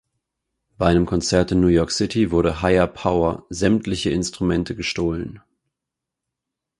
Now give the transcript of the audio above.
Bei einem Konzert in New York City wurde Higher Power sämtliche Instrumente gestohlen.